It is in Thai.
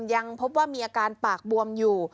ยังพบว่ามีอาการปากบวมอยู่